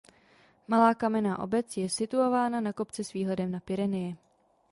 Malá kamenná obec je situována na kopci s výhledem na Pyreneje.